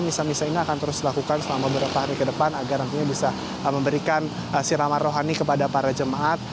misa misa ini akan terus dilakukan selama beberapa hari ke depan agar nantinya bisa memberikan siraman rohani kepada para jemaat